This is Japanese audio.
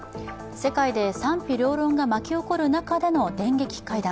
世界で賛否両論が巻き起こる中での電撃会談。